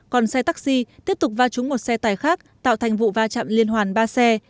còn xe taxi tiếp tục va trúng một xe tải khác tạo thành vụ va chạm liên hoàn ba xe